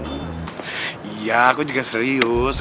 iya aku juga serius